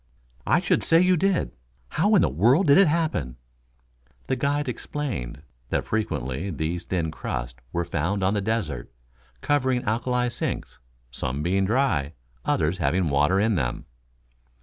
"I should say you did. How in the world did it happen?" The guide explained, that frequently these thin crusts were found on the desert, covering alkali sinks, some being dry, others having water in them.